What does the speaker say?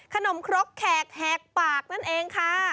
ครกแขกแหกปากนั่นเองค่ะ